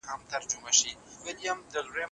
مچ ئې کړ او پخپله غيږه کي ئې کښيناوه.